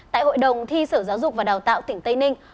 tại hội đồng thi sở giáo dục và đào tạo tỉnh tây ninh